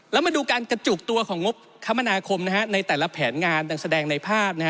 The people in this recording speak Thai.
แล้วมาดูการกระจุกตัวของงบคมนาคมในแต่ละแผนงานดังแสดงในภาพ